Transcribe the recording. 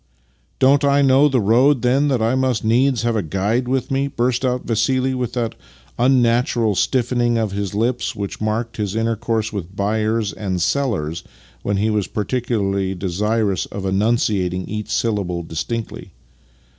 " Don't I know the road, then, that I must needs have a guide with me? " burst out Vassili with that unnatural stiffening of his lips which marked his inter course with buyers and sellers when he was particularly desirous of enunciating each syllable distinctly.